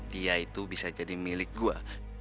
dia itu bisa jadi milik gue